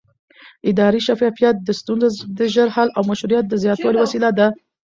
اداري شفافیت د ستونزو د ژر حل او مشروعیت د زیاتوالي وسیله ده